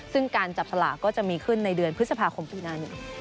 ซึ่งการจับสลากก็จะมีขึ้นในเดือนพฤษภาคมปีหน้านี้